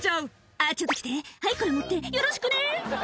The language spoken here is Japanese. あー、ちょっと来て、はい、それ持って、よろしくね。